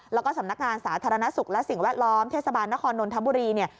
แล้วก็สำนักงานสาธารณสุขและสิ่งแวดล้อมเทศบาลนครนนทบุรีเนี่ย